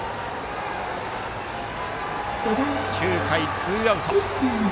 ９回ツーアウト。